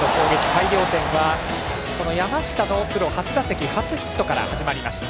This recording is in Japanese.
大量点は、山下のプロ初打席初ヒットから始まりました。